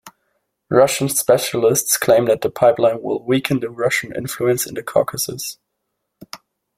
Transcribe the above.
Russian specialists claim that the pipeline will weaken the Russian influence in the Caucasus.